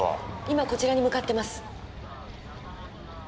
今こちらに向かってます。